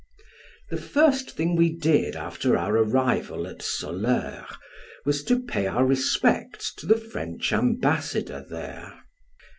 The first thing we did after our arrival at Soleurre, was to pay our respects to the French ambassador there.